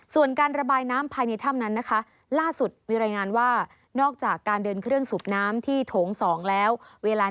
ส่วนการระบายน้ำภายในถ้ำนั้นล่าสุดมีรายงานว่า